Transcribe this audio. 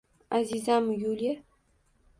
Azizam Yuliya!